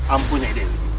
ampun nyai dewi